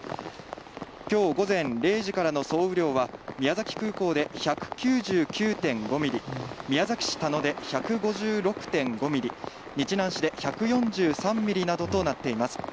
きょう午前０時からの総雨量は宮崎空港で１９９．５ミリ、宮崎市田野で１５６．５ミリ、日南市で１４３ミリなどとなっています。